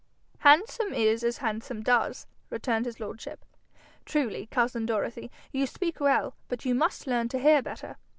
'Handsome is that handsome does,' returned his lordship. 'Truly, cousin Dorothy, you speak well, but you must learn to hear better.